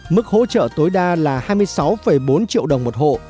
mức hỗ trợ tối đa là hai mươi sáu bốn triệu đồng một hộ